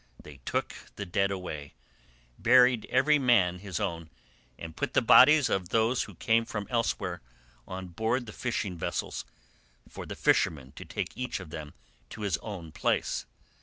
They took the dead away, buried every man his own, and put the bodies of those who came from elsewhere on board the fishing vessels, for the fishermen to take each of them to his own place.